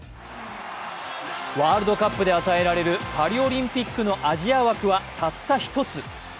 ワールドカップで与えられるパリオリンピックのアジア枠はたった１つ。